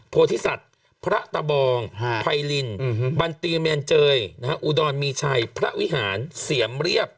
โพธิสัตว์พระตะบองไพรินบันตีแมนเจยอุดรมีชัยพระวิหารเสียมเรียบ